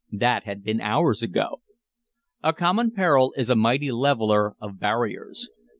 That had been hours ago. A common peril is a mighty leveler of barriers.